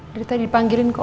dari tadi dipanggilin kok